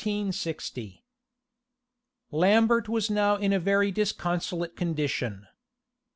} Lambert was now in a very disconsolate condition.